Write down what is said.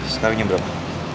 sekarang ini berapa